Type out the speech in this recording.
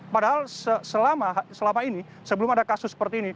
padahal selama ini sebelum ada kasus seperti ini